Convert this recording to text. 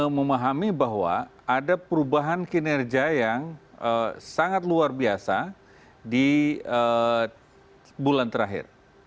memahami bahwa ada perubahan kinerja yang sangat luar biasa di bulan terakhir